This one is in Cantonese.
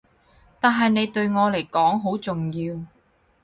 但係你對我嚟講好重要